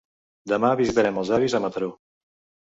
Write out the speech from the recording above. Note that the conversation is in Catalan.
Demà visitarem els avis a Mataró.